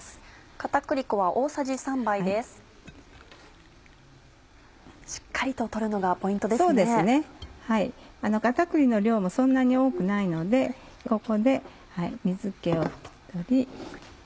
片栗の量もそんなに多くないのでここで水気を拭き取り